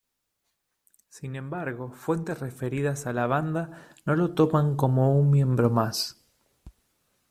Sin embargo, fuentes referidas a la banda no lo toman como un miembro más.